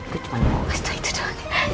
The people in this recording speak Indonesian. gue cuma mau kasih tau itu doang